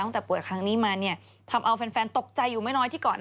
ป่วยครั้งนี้มาเนี่ยทำเอาแฟนตกใจอยู่ไม่น้อยที่ก่อน